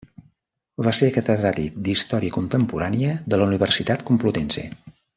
Va ser catedràtic d'Història Contemporània de la Universitat Complutense.